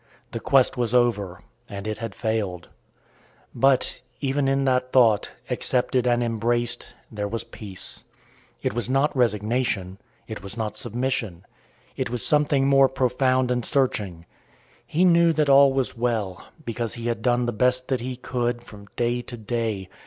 The quest was over, and it had failed. But, even in that thought, accepted and embraced, there was peace. It was not resignation. It was not submission. It was something more profound and searching. He knew that all was well, because he had done the best that he could, from day to day.